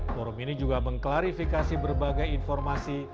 forum ini juga mengklarifikasi berbagai informasi